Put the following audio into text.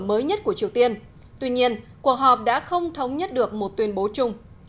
mới nhất của triều tiên tuy nhiên cuộc họp đã không thống nhất được một tuyên bố chung